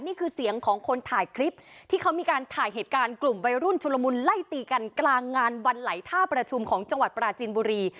นี่คือเสียงของคนถ่ายคลิปที่เขามีการถ่ายเหตุการณ์กลุ่มวัยรุ่นชุลมุนไล่ตีกันกลางงานวันไหลท่าประชุมของจังหวัดปราจินบุรี